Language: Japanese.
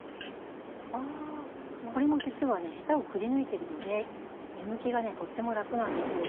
これも実はヘタをくりぬいてるので湯むきがとっても楽なんですよ。